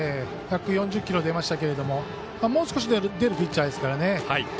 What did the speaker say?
１４０キロ出ましたけどもう少し出るピッチャーですから。